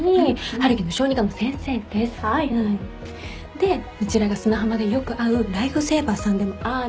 でうちらが砂浜でよく会うライフセーバーさんでもあり。